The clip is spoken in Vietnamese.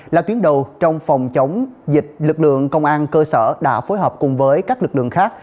là tuyến đầu trong phòng chống dịch lực lượng công an cơ sở đã phối hợp cùng với các lực lượng khác